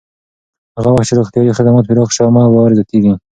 هغه وخت چې روغتیایي خدمات پراخ شي، عامه باور زیاتېږي.